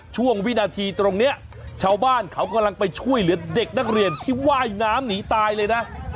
ช่วงวินาทีตรงนี้ชาวบ้านเขากำลังไปช่วยเหลือเด็กนักเรียนที่ว่ายน้ำหนีตายเลยนะ